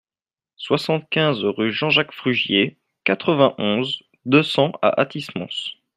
soixante-quinze rue Jean-Jacques Frugier, quatre-vingt-onze, deux cents à Athis-Mons